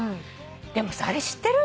でもあれ知ってる？